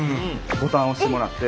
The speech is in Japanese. ボタン押してもらって。